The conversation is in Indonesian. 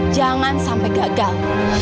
jangan sampai gagal